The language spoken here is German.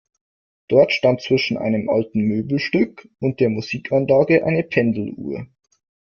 Dort stand zwischen einem alten Möbelstück und der Musikanlage eine Pendeluhr.